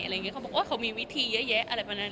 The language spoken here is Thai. อะไรอย่างนี้เขาบอกโอ๊ยเขามีวิธีเยอะแยะอะไรแบบนั้น